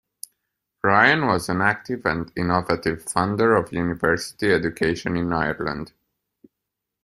Ryan was an active and innovative funder of university education in Ireland.